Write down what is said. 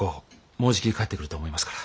もうじき帰ってくると思いますから。